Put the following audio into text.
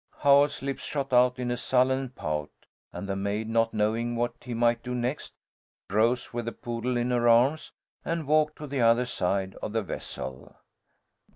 Howell's lips shot out in a sullen pout, and the maid, not knowing what he might do next, rose with the poodle in her arms and walked to the other side of the vessel.